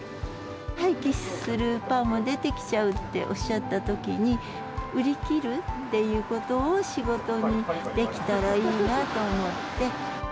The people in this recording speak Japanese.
廃棄するパンも出てきちゃうっておっしゃったときに、売り切るっていうことを仕事にできたらいいなと思って。